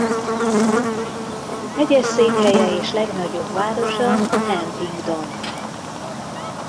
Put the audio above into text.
Megyeszékhelye és legnagyobb városa Huntingdon.